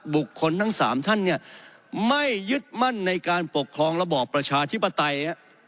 บุคคลทั้ง๓ท่านไม่ยึดมั่นในการปกครองระบอบประชาธิปไตย